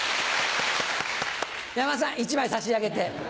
山田さん１枚差し上げて。